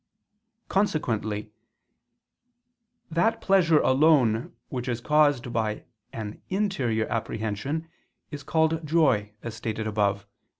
Consequently that pleasure alone which is caused by an interior apprehension is called joy, as stated above (Q.